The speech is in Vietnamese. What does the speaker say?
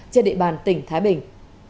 trên địa bàn tỉnh thái bình